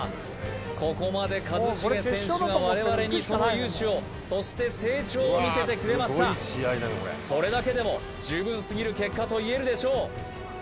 ここまで一茂選手が我々にその雄姿をそして成長を見せてくれましたそれだけでも十分すぎる結果といえるでしょう